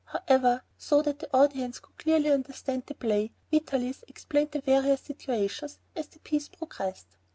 However, so that the audience would clearly understand the play, Vitalis explained the various situations, as the piece progressed.